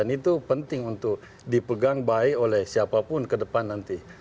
dan itu penting untuk dipegang baik oleh siapapun ke depan nanti